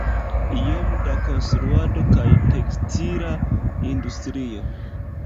Iome da konstruado kaj tekstila industrio.